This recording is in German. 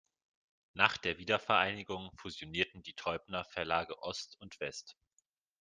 Nach der Wiedervereinigung fusionierten die Teubner Verlage Ost und West.